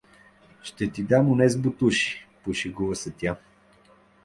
Ще ти дам онез ботуши — пошегува се тя.